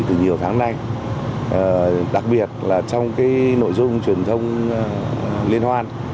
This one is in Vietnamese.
vì từ nhiều tháng nay đặc biệt là trong cái nội dung truyền thông liên hoan